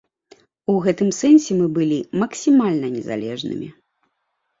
У гэтым сэнсе мы былі максімальна незалежнымі.